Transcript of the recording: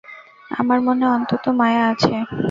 আমার মনে অন্তত মায়া আছে।